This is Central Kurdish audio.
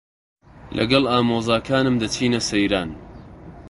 لەگەڵ ئامۆزاکانم دەچینە سەیران.